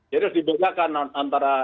jadi harus dibedakan antara